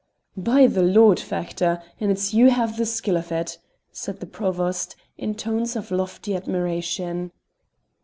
"By the Lord, Factor, and it's you have the skill of it!" said the Provost, in tones of lofty admiration.